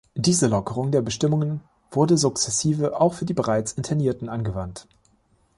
Diese Lockerung der Bestimmungen wurde sukzessive auch für die bereits Internierten angewandt.